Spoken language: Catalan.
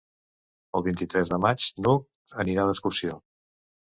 El vint-i-tres de maig n'Hug anirà d'excursió.